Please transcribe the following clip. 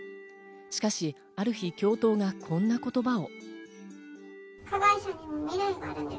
しかしある日、教頭がこんな言葉を。